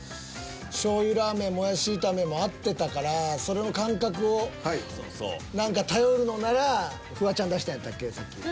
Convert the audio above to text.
醤油ラーメンもやし炒めも合ってたからそれの感覚を何か頼るのならフワちゃん出したんやったっけさっき。